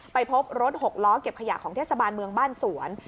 ไปพบรถหกล้อเก็บขยะของเทศบาลเมืองบ้านสวน